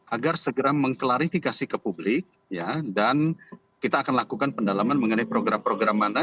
agar segera mengklarifikasi ke publik dan kita akan lakukan pendalaman mengenai program program mana